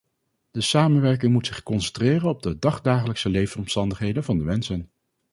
De samenwerking moet zich concentreren op de dagdagelijkse levensomstandigheden van de mensen.